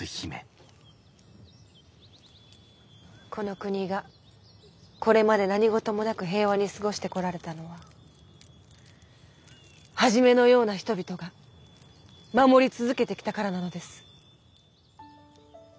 この国がこれまで何事もなく平和に過ごしてこられたのはハジメのような人々が守り続けてきたからなのです。